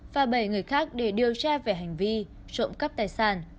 và bảy người khác để điều tra về hành vi trộm cắp tài sản